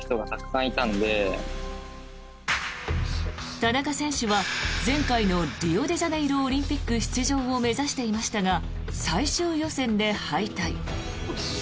田中選手は前回のリオデジャネイロオリンピック出場を目指していましたが最終予選で敗退。